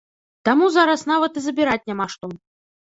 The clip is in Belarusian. Таму зараз нават і забіраць няма што.